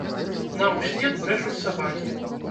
Нам услед брэшуць сабакі.